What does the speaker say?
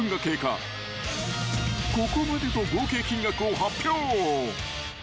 ［ここまでの合計金額を発表］